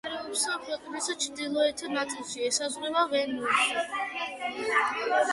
მდებარეობს ქვეყნის ჩრდილოეთ ნაწილში, ესაზღვრება ვენესუელას.